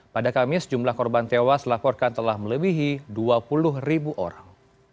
pada kamis jumlah korban tewas dilaporkan telah melebihi dua puluh ribu orang